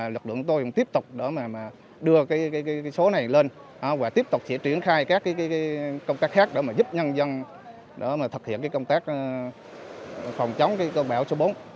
lực lượng tôi cũng tiếp tục đưa số này lên và tiếp tục triển khai các công tác khác để giúp nhân dân thực hiện công tác phòng chống cơn bão số bốn